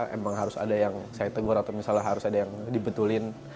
emang harus ada yang saya tegur atau misalnya harus ada yang dibetulin